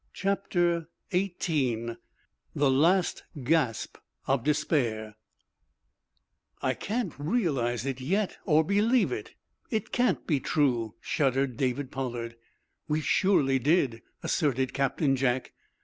CHAPTER XVIII THE LAST GASP OF DESPAIR "I can't realize it yet, or believe it. It can't be true," shuddered David Pollard. "We surely did," asserted Captain Jack.